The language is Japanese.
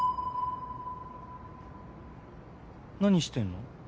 何してんの？